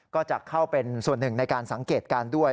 ก็จะเข้าเป็นส่วนหนึ่งในการสังเกตการณ์ด้วย